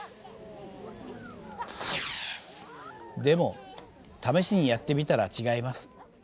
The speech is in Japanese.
でも試しにやってみたら違います。